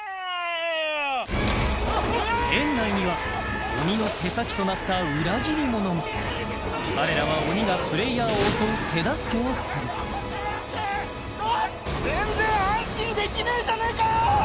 園内には鬼の手先となった裏切り者も彼らは鬼がプレイヤーを襲う手助けをする全然安心できねえじゃねえかよ！